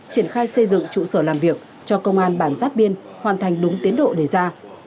triển khai xây dựng trụ sở làm việc cho công an bản giác biên hoàn thành đúng tiến độ đề ra